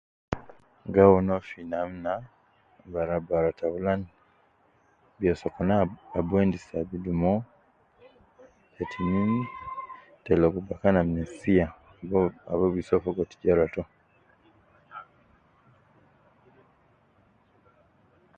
Gi awun uwo fi namna bara bara ,taulan, biyo sokolna ab uwo endis te abidu mo, te tinin, te logo bakan ab nesiya uwo ab uwo bi soo fogo tijara to